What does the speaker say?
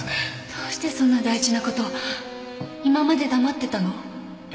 どうしてそんな大事なこと今まで黙ってたの？